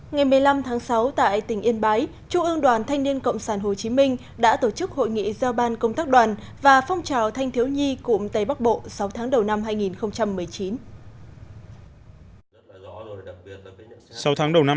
ngày một mươi năm tháng sáu tại tỉnh yên bái trung ương đoàn thanh niên cộng sản hồ chí minh đã tổ chức hội nghị giao ban công tác đoàn và phong trào thanh thiếu nhi cụm tây bắc bộ sáu tháng đầu năm hai nghìn một mươi chín